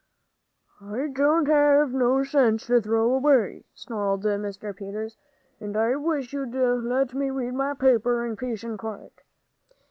"I don't have no cents to throw away," snarled old Mr. Peters. "And I wish you'd let me read my paper in peace and quiet."